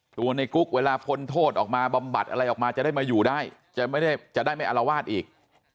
ในกุ๊กเวลาพ้นโทษออกมาบำบัดอะไรออกมาจะได้มาอยู่ได้จะได้ไม่อารวาสอีก